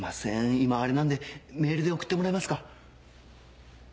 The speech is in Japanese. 今あれなんでメールで送ってもらえますか？